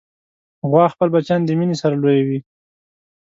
غوا خپل بچیان د مینې سره لویوي.